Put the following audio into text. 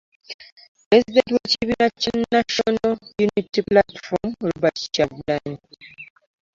Pulezidenti w'ekibiina kya National Unity Platform, Robert Kyagulanyi